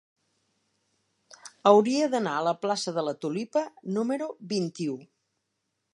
Hauria d'anar a la plaça de la Tulipa número vint-i-u.